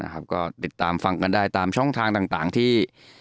ก็ติดตามฟังกันได้ตามช่องทางต่างที่